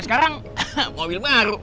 sekarang mobil baru